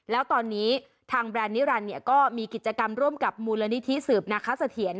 แล้วตอนนี้ทางแบรนด์นิรันด์เนี่ยก็มีกิจกรรมร่วมกับมูลนิธิสืบนะคะ